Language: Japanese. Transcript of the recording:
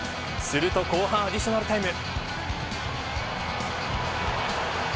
すると後半アディショナルタイム。